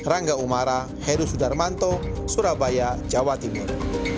rangga umara heru sudarmanto surabaya jawa timur